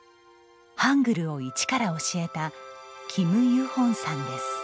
ハングルを一から教えたキム・ユホンさんです。